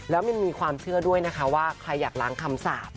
แล้วมันมีความเชื่อด้วยนะคะว่าใครอยากล้างคำสาป